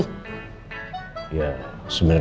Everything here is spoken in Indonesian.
sampai sekarang kamu masih di rumah